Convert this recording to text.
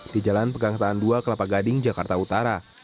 di jalan pegang tahan dua kelapa gading jakarta utara